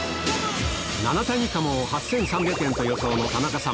七谷鴨を８３００円と予想の田中さん。